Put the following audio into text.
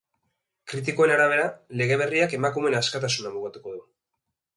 Kritikoen arabera, lege berriak emakumeen askatasuna mugatuko du.